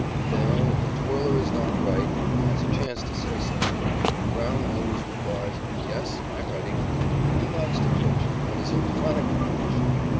Then if the twirler is not right, he has a chance to say so. But Brown always replies: "Yes, I'm ready." He likes to pitch and is in chronic condition.